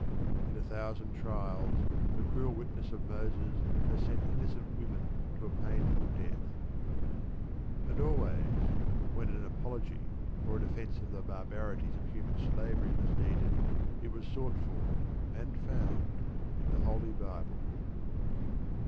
In a thousand trials the cruel witness of Moses has sent innocent women to a painful death. And always when an apology or a defence of the barbarities of human slavery was needed it was sought for and found in the Holy Bible.